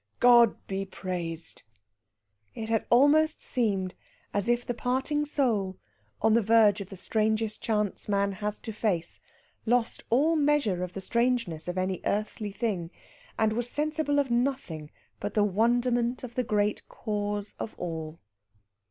God be praised!" It had almost seemed as if the parting soul, on the verge of the strangest chance man has to face, lost all measure of the strangeness of any earthly thing, and was sensible of nothing but the wonderment of the great cause of all.